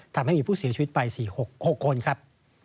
ทำให้มีผู้เสียชีวิตไป๔๖คนครับ